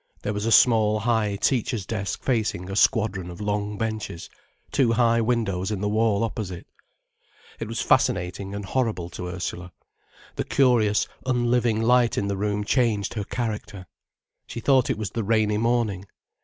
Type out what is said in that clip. There was a small high teacher's desk facing a squadron of long benches, two high windows in the wall opposite. It was fascinating and horrible to Ursula. The curious, unliving light in the room changed her character. She thought it was the rainy morning.